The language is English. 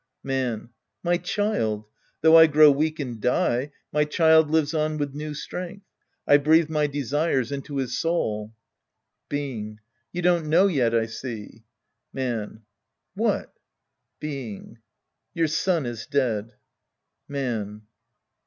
Man. My child. Though I grow weak and die, my child lives on with new strength. I breathe my desires into his so'il. Being. You don't know yet, I see. Maju What? Being. Your son is dead. Man.